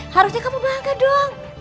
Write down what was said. harusnya kamu bangga dong